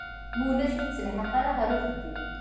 Ma ulac ur tettelḥaq ara ɣer uxeddim.